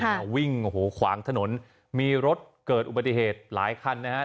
วิ่งโอ้โหขวางถนนมีรถเกิดอุบัติเหตุหลายคันนะฮะ